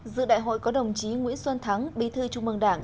dự đại hội có đồng chí nguyễn xuân thắng bí thư trung mương đảng